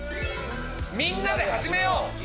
みんなで始めよう。